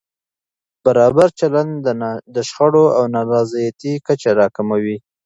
برابر چلند د شخړو او نارضایتۍ کچه راکموي.